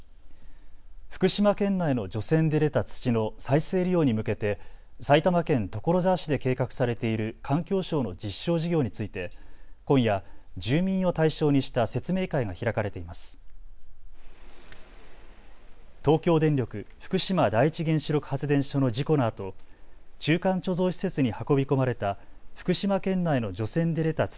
福島県内の除染で出た土の再生利用に向けて埼玉県所沢市で計画されている環境省の実証事業について、今夜、住民を対象にした説明会が開かれています。